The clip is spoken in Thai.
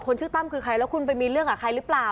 ชื่อตั้มคือใครแล้วคุณไปมีเรื่องกับใครหรือเปล่า